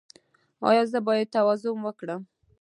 ایا زه باید تواضع وکړم؟